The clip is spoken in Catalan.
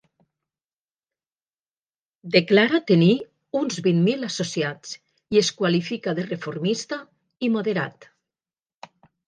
Declara tenir uns vint mil associats i es qualifica de reformista i moderat.